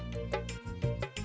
mas rangga mau bantu